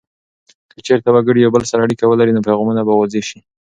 که چیرته وګړي یو بل سره اړیکه ولري، نو پیغامونه به واضح سي.